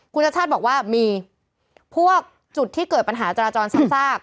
คุณชัดบอกว่ามีพวกจุดที่เกิดปัญหาจราจรซาก